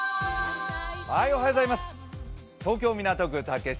東京・港区竹芝